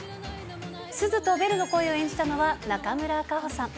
鈴とベルの声を演じたのは、中村佳穂さん。